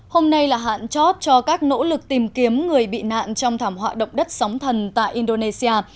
hôm nay là hạn chót cho các nỗ lực tìm kiếm người bị nạn trong thảm họa động đất sóng thần tại indonesia